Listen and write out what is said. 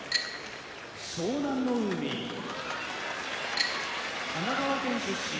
湘南乃海神奈川県出身